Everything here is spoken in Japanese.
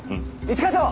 一課長！